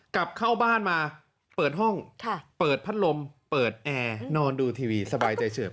กลับเข้าบ้านมาเปิดห้องเปิดพัดลมเปิดแอร์นอนดูทีวีสบายใจเฉิบ